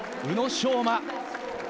宇野昌磨。